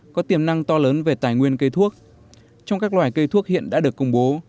có tiềm năng to lớn về tài nguyên cây thuốc trong các loài cây thuốc hiện đã được công bố